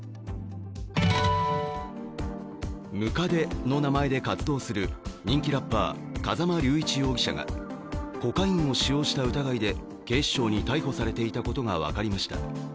百足の名前で活動する人気ラッパー、風間龍一容疑者がコカインを使用した疑いで警視庁に逮捕されていたことが分かりました。